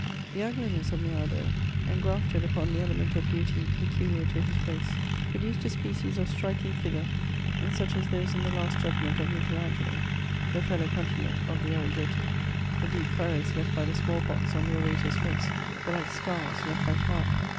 The ugliness of Mirabeau, eng^rafbed upon the element of beauty peculiar to hb race, produced a species of striking figure such as thosein the "Last Judgment"of Michael Angelo, the fellow country man of the ArrigheUi. The deep furrows left by the small pox on the orator *s face were like scars left by fire.